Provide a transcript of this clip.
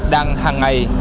đang hạ tầng giao thông